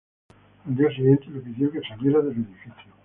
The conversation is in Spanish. Al día siguiente, le pidió que saliera del edificio.